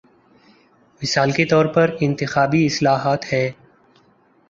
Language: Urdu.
مثال کے طور پر انتخابی اصلاحات ہیں۔